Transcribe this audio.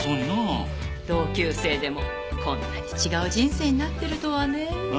同級生でもこんなに違う人生になってるとはねえ。